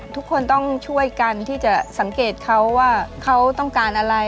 ทุกคนต้องช่วยกันที่จะสังเกตเขาว่าเขาต้องการอะไร